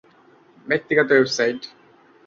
ব্যক্তিগত ওয়েবসাইট